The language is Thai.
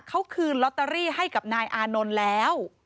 เขาคืนลอตเตอรี่ให้กับนายอานนท์แล้ว